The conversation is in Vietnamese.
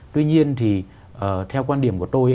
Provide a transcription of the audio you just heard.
tuy nhiên thì theo quan điểm của tôi